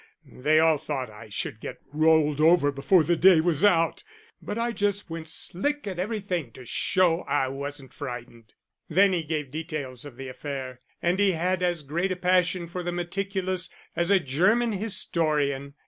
They all thought I should get rolled over before the day was out, but I just went slick at everything to show I wasn't frightened." Then he gave details of the affair; and he had as great a passion for the meticulous as a German historian.